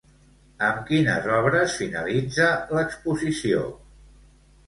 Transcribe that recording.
Amb quines obres finalitza l'exposició?